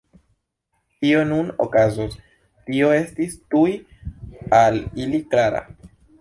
Kio nun okazos, tio estis tuj al ili klara.